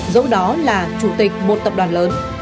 dẫu đó là chủ tịch một tập đoàn lớn